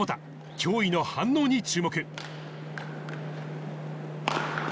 驚異の反応に注目。